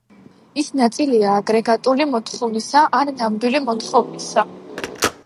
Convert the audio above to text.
ის ნაწილია აგრეგატული მოთხოვნისა ან ნამდვილი მოთხოვნისა.